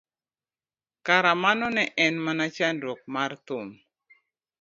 kara mano ne en mana chakruok mar thum